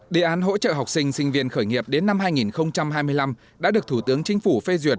đề án hỗ trợ học sinh sinh viên khởi nghiệp đến năm hai nghìn hai mươi năm đã được thủ tướng chính phủ phê duyệt